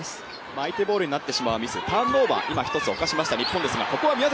相手ボールになってしまうミスターンオーバー、一つしました日本です。